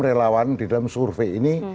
relawan di dalam survei ini